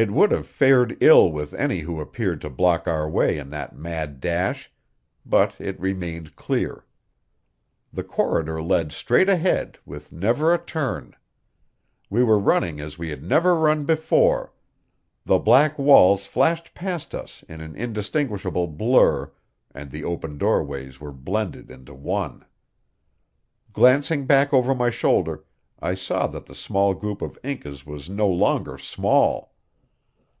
It would have fared ill with any who appeared to block our way in that mad dash; but it remained clear. The corridor led straight ahead, with never a turn. We were running as we had never run before; the black walls flashed past us an indistinguishable blur, and the open doorways were blended into one. Glancing back over my shoulder, I saw that the small group of Incas was no longer small.